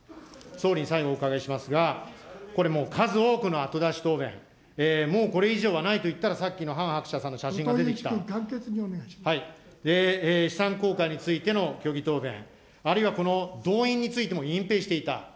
総理に最後、お伺いしますが、これ、もう、数多くの後出し答弁、もうこれ以上はないと言ったらさっきのハン・ハクチャさんの写真後藤祐一君、簡潔にお願いし資産公開についての虚偽答弁、あるいはこの動員についても隠蔽していた。